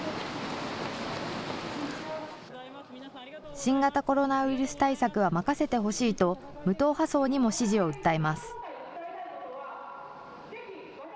新型コロナウイルス対策は任せてほしいと、無党派層にも支持を訴えます。